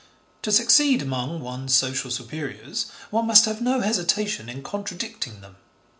To succeed among one's social superiors one must have no hesitation in contradicting them.